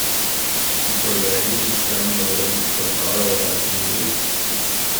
I colleghi iniziarono ad avere difficoltà a lavorare con lui.